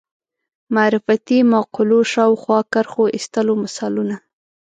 معرفتي مقولو شاوخوا کرښو ایستلو مثالونه